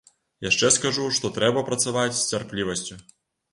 Яшчэ скажу, што трэба працаваць з цярплівасцю.